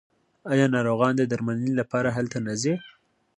آیا ناروغان د درملنې لپاره هلته نه ځي؟